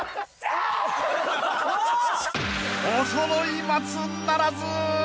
［おそろい松ならず！］